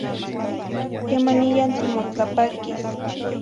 Quemaniyah timotlapaquis